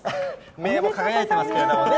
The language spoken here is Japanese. メダル、輝いてますけどね。